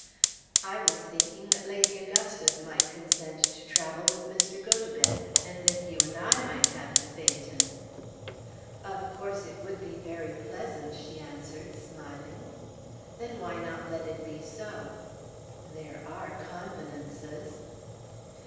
"I was thinking that Lady Augustus might consent to travel with Mr. Gotobed and that you and I might have the phaeton." "Of course it would be very pleasant," she answered smiling. "Then why not let it be so?" "There are convenances."